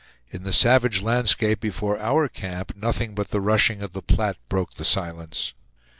In the savage landscape before our camp, nothing but the rushing of the Platte broke the silence.